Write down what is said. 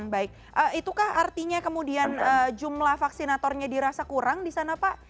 baik itukah artinya kemudian jumlah vaksinatornya dirasa kurang di sana pak